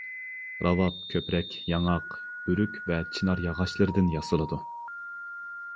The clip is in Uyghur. راۋاب كۆپرەك ياڭاق، ئۆرۈك ۋە چىنار ياغاچلىرىدىن ياسىلىدۇ.